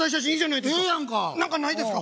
なんかないですか？